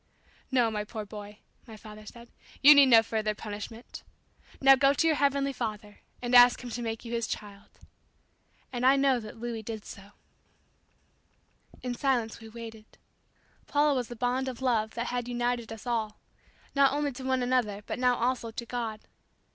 "No, my poor boy," my father said; "you need no further punishment. Now go to your heavenly Father and ask Him to make you His child." And I know that Louis did so. In silence we waited. Paula was the bond of love that had united us all; not only to one another but now also to God.